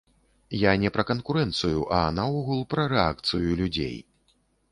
Я не пра канкурэнцыю, а наогул пра рэакцыю людзей.